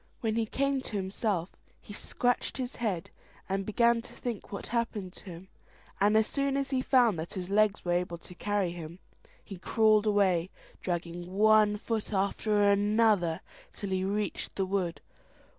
When he came to himself, he scratched his head, and began to think what happened him; and as soon as he found that his legs were able to carry him, he crawled away, dragging one foot after another, till he reached the wood.